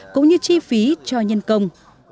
cũng như chi phí cho nhân công